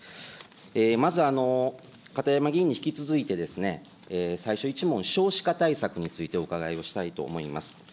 まず片山議員に引き続いて、最初１問、少子化対策についてお伺いをしたいと思います。